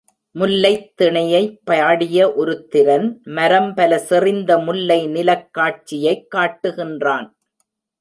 முல்லைத் திணையைப் பாடிய உருத்திரன் மரம் பல செறிந்த முல்லை நிலக் காட்சியைக் காட்டுகின்றான்.